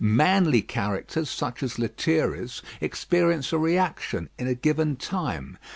Manly characters such as Lethierry's experience a reaction in a given time.